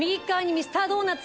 ミスタードーナツ。